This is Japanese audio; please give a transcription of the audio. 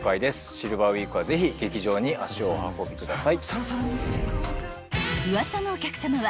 シルバーウイークはぜひ劇場に足をお運びください。